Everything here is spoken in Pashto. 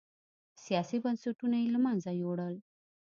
سیاسي بنسټونه یې له منځه یووړل.